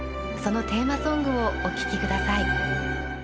そのテーマソングをおききください。